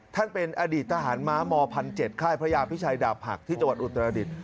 ท่านเป็นอดีตทหารม้าม๑๗ค่ายพระยาพิชัยดาบหักที่จังหวัดอุตรดิษฐ